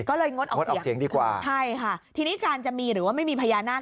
ก็เลยงดออกงดออกเสียงดีกว่าใช่ค่ะทีนี้การจะมีหรือว่าไม่มีพญานาค